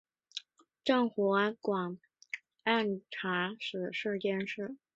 赠湖广按察使司佥事。